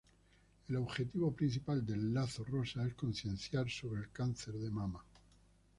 El objetivo principal del Lazo Rosa es concienciar sobre el cáncer de Mama.